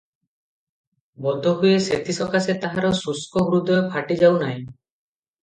ବୋଧହୁଏ ସେଥିସକାଶେ ତାହାର ଶୁଷ୍କ ହୃଦୟ ଫାଟିଯାଉ ନାହିଁ ।